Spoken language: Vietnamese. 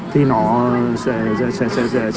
thì nó sẽ